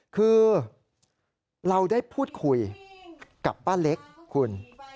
คือเราได้พูดคุยกับป้าเล็กคุณ